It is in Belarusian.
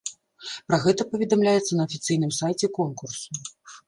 Пра гэта паведамляецца на афіцыйным сайце конкурсу.